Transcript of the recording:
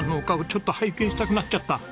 ちょっと拝見したくなっちゃった。